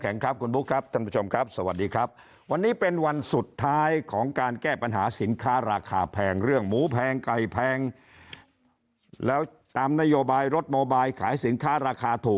อาจารย์สุภาพค่ะ